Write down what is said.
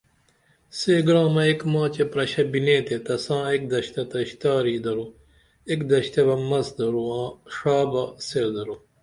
سے گرامہ ایک ماچے پرشہ بینے تے تساں ایک دشتہ تہ اشتاری درو ایک دشتہ بہ مس درو آں ڜا بہ سیر درو